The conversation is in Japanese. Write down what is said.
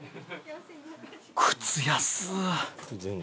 靴安っ！